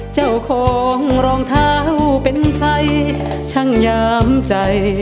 เจ้าของรองเท้าเป็นใครช่างยามใจ